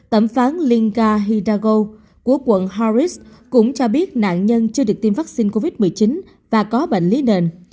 tẩm phán linga hidago của quận harris cũng cho biết nạn nhân chưa được tiêm vaccine covid một mươi chín và có bệnh lý nền